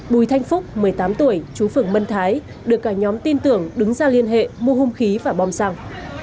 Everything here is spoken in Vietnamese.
bùi thanh phúc một mươi tám tuổi chú phường mân thái được cả nhóm tin tưởng đứng ra liên hệ mua hung khí và bom xăng